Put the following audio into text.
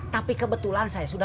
tapi kebetulan saya suka